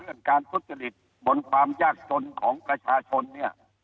การทุจริตบนความยากจนของประชาชนเนี่ย